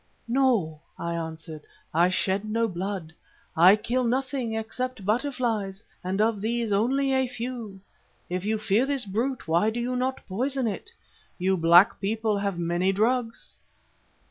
"'No,' I answered, 'I shed no blood; I kill nothing except butterflies, and of these only a few. But if you fear this brute why do you not poison it? You black people have many drugs.